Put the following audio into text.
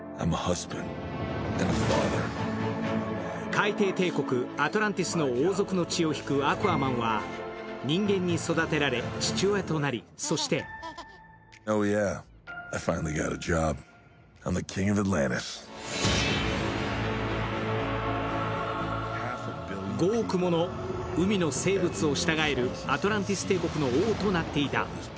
海底帝国アトランティスの王族の血を引くアクアマンは、人間に育てられ父親となり、そして５億もの海の生物を従えるアトランティス帝国の王となっていた。